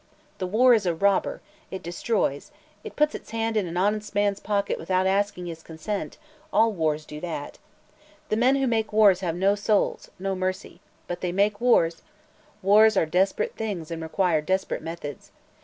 The war is a robber; it destroys; it puts its hand in an honest man's pocket without asking his consent; all wars do that. The men who make wars have no souls no mercy. But they make wars. Wars are desperate things and require desperate methods.